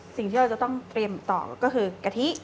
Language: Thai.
สิ่งที่เราจะต้องเตรียมต่อก็คือกะทิ